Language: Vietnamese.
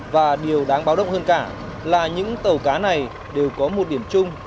và điều đáng báo động hơn cả là những tàu cá này đều có một điểm chung